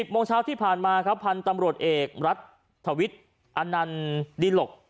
โมงเช้าที่ผ่านมาครับพันธุ์ตำรวจเอกรัฐทวิทย์อนันต์ดิหลก